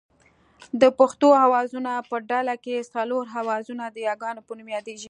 د پښتو آوازونو په ډله کې څلور آوازونه د یاګانو په نوم یادېږي